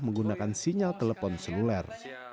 menggunakan sinyal telepon seluler